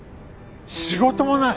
仕事もない。